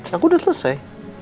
aku udah selesai